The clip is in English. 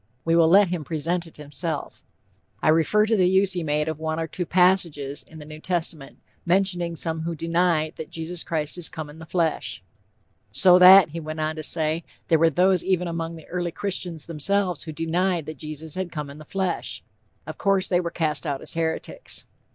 We will let him present it himself; "I refer to the use he made of one or two passages in the New Testament, mentioning some who deny 'that Jesus Christ is come in the flesh.' 'So that,' he went on to say, 'there were those even among the early Christians themselves who denied that Jesus had come in the flesh. Of course, they were cast out as heretics.'